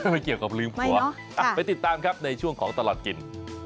ไม่เกี่ยวกับลืมผัวไปติดตามครับในช่วงของตลอดกิน